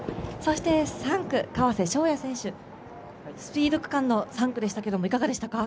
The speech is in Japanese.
３区、川瀬翔矢選手、スピード区間の３区でしたけれども、いかがでしたか。